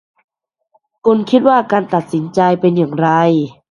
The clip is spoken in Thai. คุณคิดว่าการตัดสินใจเป็นอย่างไร